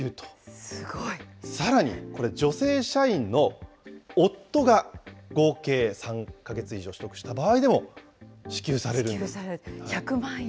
さらにこれ、女性社員の夫が合計３か月以上取得した場合でも、支給されるんで１００万円。